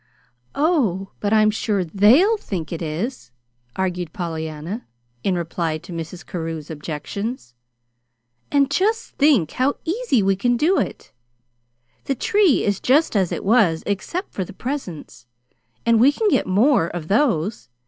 "Oh, but I'm sure THEY'LL think it is," argued Pollyanna, in reply to Mrs. Carew's objections. "And just think how easy we can do it! The tree is just as it was except for the presents, and we can get more of those.